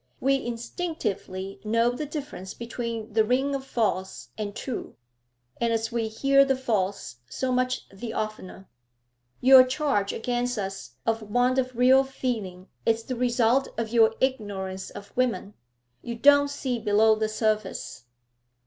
We instinctively know the difference between the ring of false and true, and as we hear the false so much the oftener Your charge against us of want of real feeling is the result of your ignorance of women; you don't see below the surface.'